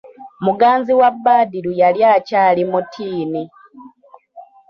Muganzi wa Badru yali akyali mutiini.